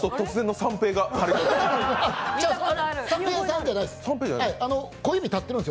三瓶さんじゃないです。